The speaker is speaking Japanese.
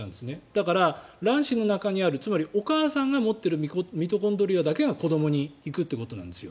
だから、卵子の中にあるつまりお母さんに入ってるミトコンドリアだけが子どもに行くということなんです。